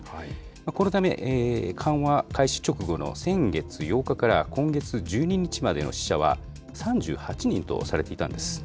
このため、緩和開始直後の先月８日から今月１２日までの死者は３８人とされていたんです。